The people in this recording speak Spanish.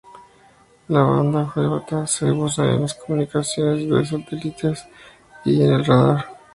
La banda J se usa en las comunicaciones satelitales y en el radar.